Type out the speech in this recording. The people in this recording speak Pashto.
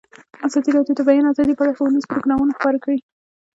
ازادي راډیو د د بیان آزادي په اړه ښوونیز پروګرامونه خپاره کړي.